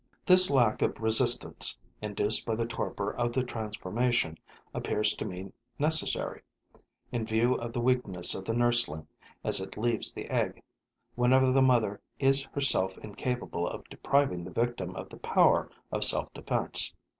This lack of resistance, induced by the torpor of the transformation, appears to me necessary, in view of the weakness of the nursling as it leaves the egg, whenever the mother is herself incapable of depriving the victim of the power of self defense.